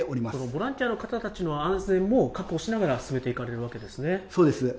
ボランティアの方たちの安全も確保しながら進めていかれるわそうです。